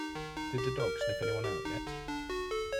Did the dog sniff anyone out yet?